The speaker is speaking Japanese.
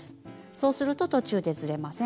そうすると途中でずれません。